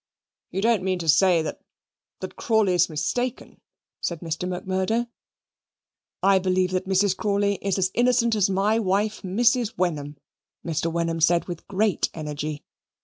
"You don't mean to say that that Crawley's mistaken?" said Mr. Macmurdo. "I believe that Mrs. Crawley is as innocent as my wife, Mrs. Wenham," Mr. Wenham said with great energy.